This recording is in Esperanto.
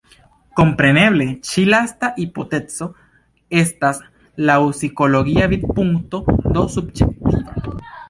Kompreneble ĉi lasta hipotezo estas laŭ psikologia vidpunkto, do subjektiva.